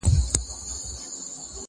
څه پروا که مي په ژوند کي یا خندلي یا ژړلي-